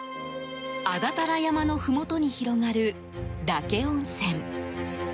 安達太良山のふもとに広がる岳温泉。